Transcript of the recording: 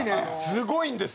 すごいんです。